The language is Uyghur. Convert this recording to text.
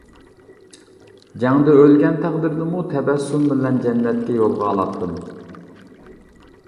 جەڭدە ئۆلگەن تەقدىردىمۇ تەبەسسۇم بىلەن جەننەتكە يولغا ئالاتتىم.